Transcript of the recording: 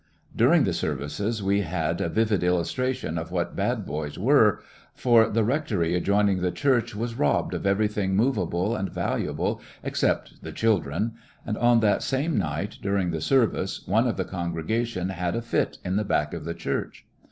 During the services we had a vivid illustration of what bad boys were, for the 28 'jyiissionarY in tge Great West rectory adjoining the church was robbed of everything movable and valuable except the children, and on that same night, during the service, one of the congregation had a fit in the back of the church.